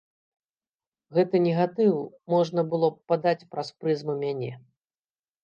Гэты негатыў можна было б падаць праз прызму мяне.